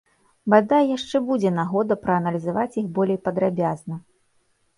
Бадай, яшчэ будзе нагода прааналізаваць іх болей падрабязна.